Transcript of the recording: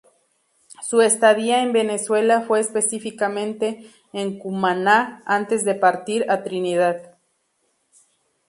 Su estadía en Venezuela fue específicamente en Cumaná antes de partir a Trinidad.